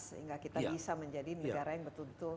sehingga kita bisa menjadi negara yang betul betul